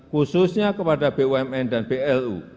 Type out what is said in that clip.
khususnya kepada bumn dan blu